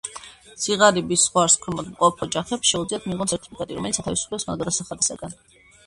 სიღარიბის ზღვარს ქვემოთ მყოფ ოჯახებს შეუძლიათ მიიღონ სერტიფიკატი, რომელიც ათავისუფლებს მათ გადასახადისაგან.